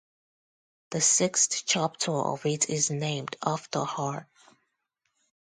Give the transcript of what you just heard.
The sixth chapter of it is named after her.